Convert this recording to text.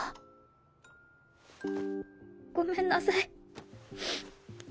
ごめんなさい。